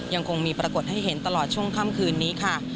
ยังคงมีปรากฏให้เห็นตลอดช่วงค่ำคืนนี้ค่ะ